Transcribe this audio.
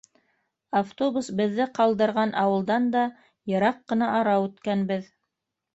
Автобус беҙҙе ҡалдырған ауылдан да йыраҡ ҡына ара үткәнбеҙ.